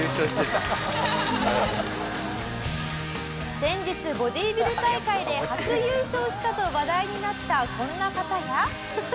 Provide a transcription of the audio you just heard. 「先日ボディビル大会で初優勝したと話題になったこんな方や」